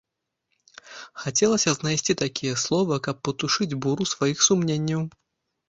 Хацелася знайсці такія словы, каб патушыць буру сваіх сумненняў.